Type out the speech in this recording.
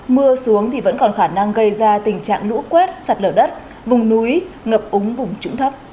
mưa xuống thì vẫn còn khả năng gây ra tình trạng lũ quét sạt lở đất vùng núi ngập úng vùng trũng thấp